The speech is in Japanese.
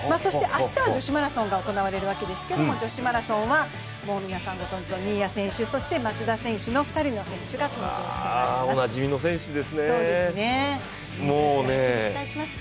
明日は女子マラソンが行われるわけですけれども女子マラソンは皆さんご存じの新谷選手、松田選手の２人の選手が登場してまいります。